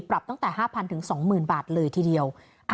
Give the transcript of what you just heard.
ปรับตั้งแต่๕๐๐๒๐๐บาทเลยทีเดียว